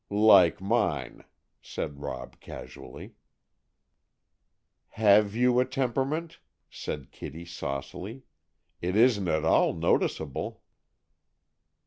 "Like mine," said Rob casually. "Have you a temperament?" said Kitty saucily. "It isn't at all noticeable."